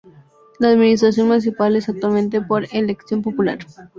La administración municipal es actualmente por elección popular.